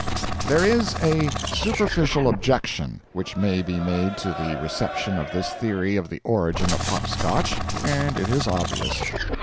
] There is a superficial objection which may be made to the reception of this theory of the origin of hop Scotch, and it is obvious.